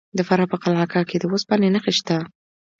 د فراه په قلعه کاه کې د وسپنې نښې شته.